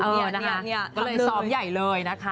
เนี่ยก็เลยซ้อมใหญ่เลยนะคะ